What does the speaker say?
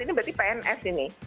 ini berarti pns ini